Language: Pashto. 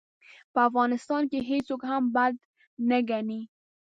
په افغانستان کې هېڅوک هم بد نه ګڼي.